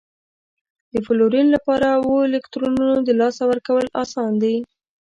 د فلورین لپاره اوو الکترونو د لاسه ورکول اسان دي؟